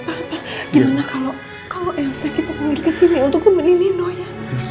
pak gimana kalau elsa kita pindah ke sini untuk meninim nino ya